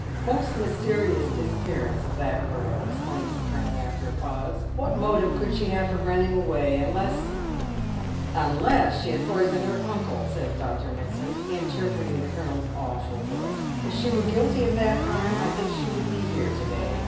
"Most mysterious disappearance of that girl," exclaims the colonel, after a pause. " What motive could she have for ran ning away, unless "" Unless she had poisoned her uncle," says Dr. Mitsand, inter preting the colonel's awful look. " If she were guilty of that crime I think she would be here to day.